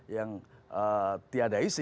yang tiada isi